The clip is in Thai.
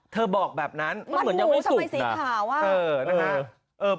เธอบอกแบบนั้นมันหมูทำไมสีขาวอ่ะ